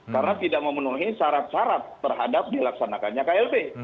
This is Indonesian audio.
karena tidak memenuhi syarat syarat terhadap dilaksanakannya klb